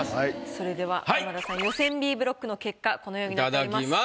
それでは浜田さん予選Ｂブロックの結果このようになっております。